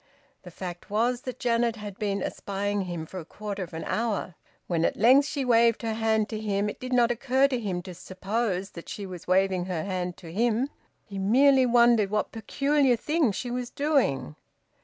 The fact was that Janet had been espying him for a quarter of an hour. When at length she waved her hand to him, it did not occur to him to suppose that she was waving her hand to him; he merely wondered what peculiar thing she was doing.